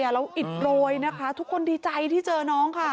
เราอิดโรยนะคะทุกคนดีใจที่เจอน้องค่ะ